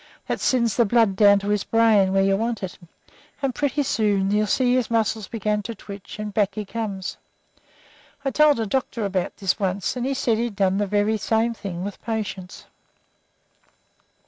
That sends the blood down to his brain, where you want it, and pretty soon you'll see his muscles begin to twitch, and back he comes. I told a doctor about this once, and he said he'd done the very same thing with patients."